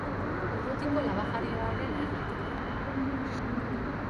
Urrutiko laba-jarioa ere leher daiteke.